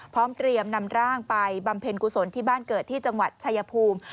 พร้อมเตรียมนำร่างไปบำเพ็ญกุศลที่บ้านเกิดที่จังหวัดชายภูมิ